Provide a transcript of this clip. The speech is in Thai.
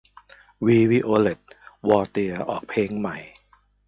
วี วิโอเล็ต วอเตียร์ ออกเพลงใหม่